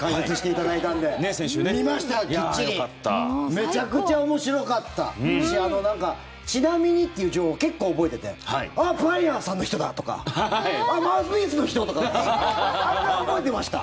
めちゃくちゃ面白かったしちなみにっていう情報結構覚えていてあっ、パン屋さんの人だとかあっ、マウスピースの人とかあれは覚えてました。